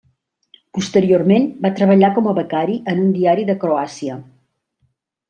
Posteriorment va treballar com a becari en un diari de Croàcia.